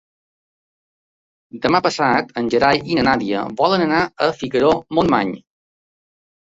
Demà passat en Gerai i na Nàdia volen anar a Figaró-Montmany.